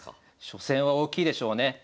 初戦は大きいでしょうね。